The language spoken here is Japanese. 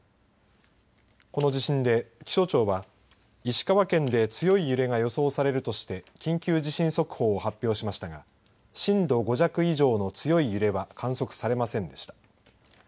この地震で気象庁は石川県で強い揺れが予想されるとして緊急地震速報を発表しましたが震度５弱以上の強い揺れは観測されませんでした。